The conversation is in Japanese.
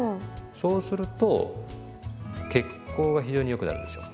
そうすると血行が非常によくなるんですよ。